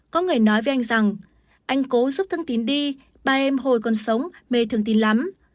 có người nói với anh rằng anh cố giúp thân tín đi ba em hồi còn sống mê thường tín lắm